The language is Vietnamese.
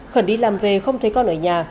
khẩn đi làm về không thấy con ở nhà